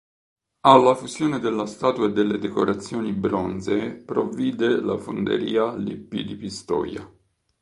Alla fusione della statua e delle decorazioni bronzee provvide la fonderia Lippi di Pistoia.